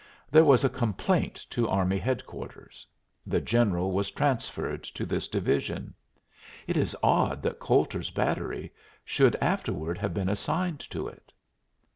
There was a complaint to army headquarters. The general was transferred to this division. It is odd that Coulter's battery should afterward have been assigned to it."